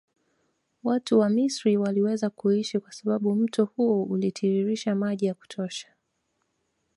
Watu wa Misri waliweza kuishi kwa sababu mto huo ulitiiririsha maji ya kutosha